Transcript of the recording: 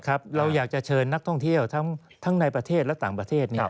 เราอยากจะเชิญนักท่องเที่ยวทั้งในประเทศและต่างประเทศ